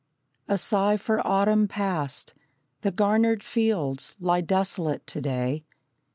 A sigh for autumn past. The garnered fields Lie desolate to day.